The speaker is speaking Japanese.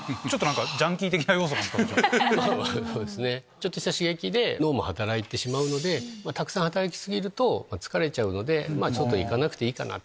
ちょっとした刺激で脳も働いてしまうのでたくさん働き過ぎると疲れるのでいかなくていいかなって。